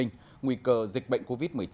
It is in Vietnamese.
nguy cơ dịch bệnh covid một mươi chín